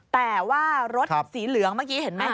แต่ว่ารถสีเหลืองเมื่อกี้เห็นไหม